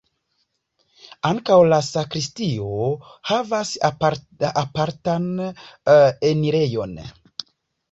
Ankaŭ la sakristio havas apartan enirejon.